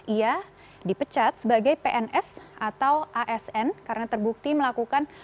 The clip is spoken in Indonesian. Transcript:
ia dipecat sebagai pns atau asn karena terbukti melakukan